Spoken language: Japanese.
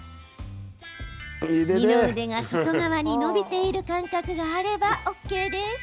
二の腕が外側に伸びている感覚があればＯＫです。